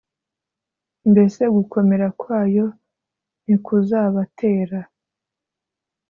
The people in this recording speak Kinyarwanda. Mbese gukomera kwayo ntikuzabatera